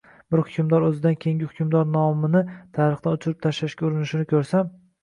Bir hukmdor o‘zidan keyingi hukmdor nomini tarixdan o‘chirib tashlashga urinishini ko‘rsam